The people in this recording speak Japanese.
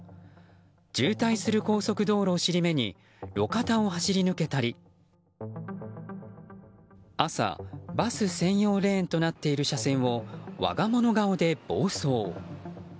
渋滞する高速道路を尻目に路肩を走り抜けたり朝、バス専用レーンとなっている車線を我が物顔で暴走。